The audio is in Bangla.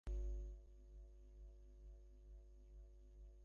অনন্তের বক্ষে কালের গতি কোনরূপ চিহ্নই অঙ্কিত করিতে পারে না।